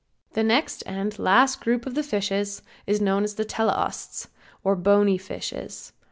The next and last group of fishes is known as Teleosts, or bony fishes.